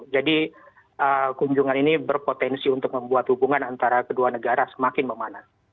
jadi kunjungan ini berpotensi untuk membuat hubungan antara kedua negara semakin memanas